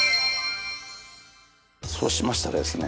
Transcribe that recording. そうしましたらですね